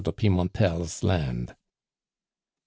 de Pimentel's land. "M.